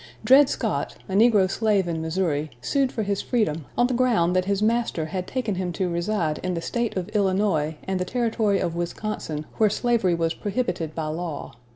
Dred Scott, a negro slave in Missouri, sued for his freedom on the ground that his master had taken him to reside in the State of Illinois and the Territory of Wisconsin, where slavery was prohibited by law.